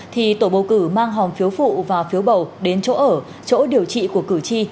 thì tổ bầu cử mang hòm phiếu phụ và phiếu bầu đến chỗ ở chỗ điều trị của cử tri